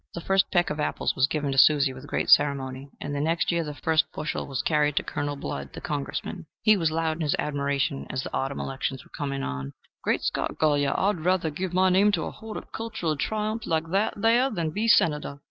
The first peck of apples was given to Susie with great ceremony, and the next year the first bushel was carried to Colonel Blood, the Congressman. He was loud in his admiration, as the autumn elections were coming on: "Great Scott, Golyer! I'd rather give my name to a horticultooral triumph like that there than be Senator."